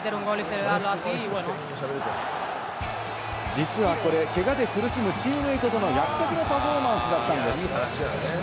実はこれ、けがで苦しむチームメートとの約束のパフォーマンスだったのです。